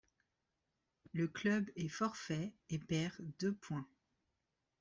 Le club est forfait et perd deux points.